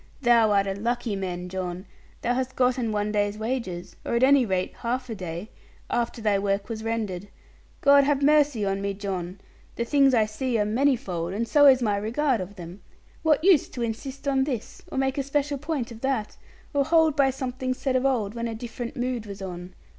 Thou art a lucky man, John; thou hast gotten one day's wages, or at any rate half a day, after thy work was rendered. God have mercy on me, John! The things I see are manifold; and so is my regard of them. What use to insist on this, or make a special point of that, or hold by something said of old, when a different mood was on?